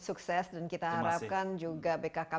sukses dan kita harapkan juga bkkb juga